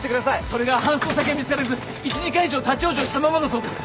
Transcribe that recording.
それが搬送先が見つからず１時間以上立ち往生したままだそうです。